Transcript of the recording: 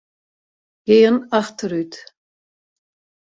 Gean achterút.